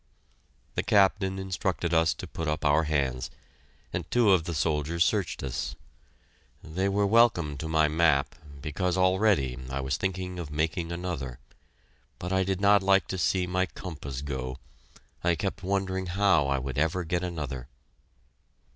The Captain instructed us to put up our hands, and two of the soldiers searched us. They were welcome to my map, because already I was thinking of making another, but I did not like to see my compass go I kept wondering how I would ever get another.